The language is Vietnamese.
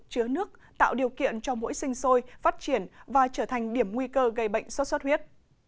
chứa nước tạo điều kiện cho mũi sinh sôi phát triển và trở thành điểm nguy cơ gây bệnh sốt xuất huyết